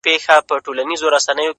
o پر جبين باندې لښکري پيدا کيږي،